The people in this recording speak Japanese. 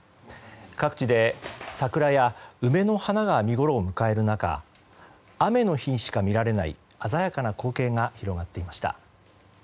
各地で桜や梅の花が見ごろを迎える中雨の日にしか見られない鮮やかな光景が広がっていました。